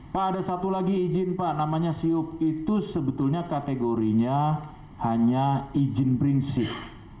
pak ada satu lagi izin pak namanya siup itu sebetulnya kategorinya hanya izin prinsip